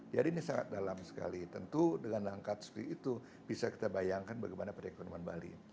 ini sangat dalam sekali tentu dengan langkah seperti itu bisa kita bayangkan bagaimana perekonomian bali